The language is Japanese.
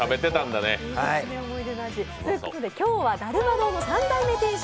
今日はだるま堂の３代目店主